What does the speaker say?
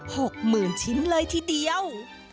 หกหมื่นชิ้นเลยทีเดียว